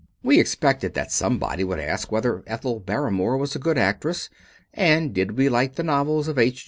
We expected that somebody would ask whether Ethel Barrymore was a good actress, and did we like the novels of H.